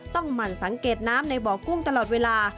หมั่นสังเกตน้ำในบ่อกุ้งตลอดเวลา